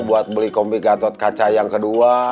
buat beli kompi gatot kaca yang kedua